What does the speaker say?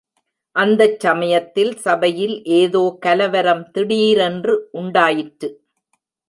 அந்தச் சமயத்தில் சபையில் ஏதோ கலவரம் திடீரென்று உண்டாயிற்று.